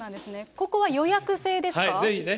ここは予約制ですか？